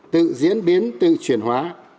tự diễn biến tự chuyển hóa